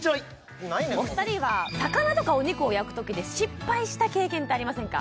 お二人は魚とかお肉を焼くときで失敗した経験ってありませんか？